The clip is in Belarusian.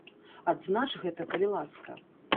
Адзнач гэта, калі ласка.